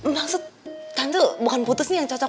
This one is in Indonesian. maksud tante bukan putus nih yang cocok